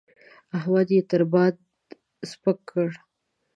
احمد يې تر باد سپک کړ.